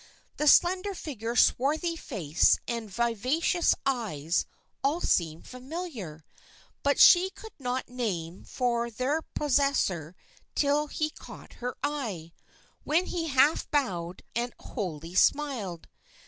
The slender figure, swarthy face, and vivacious eyes all seemed familiar, but she could find no name for their possessor till he caught her eye, when he half bowed and wholly smiled.